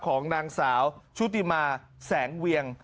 ของนางสาวชุติมาแสงเวียง